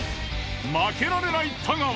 負けられない太川。